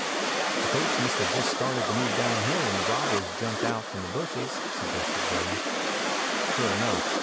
"The coach must have just started to move downhill when the robbers jumped out from the bushes," suggested Dave. "Sure enough.